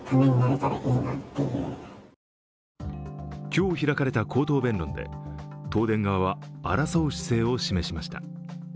今日開かれた口頭弁論で東電側は争う姿勢を示しました。